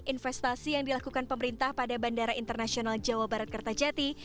investasi yang dilakukan pemerintah pada bandara internasional jawa barat kertajati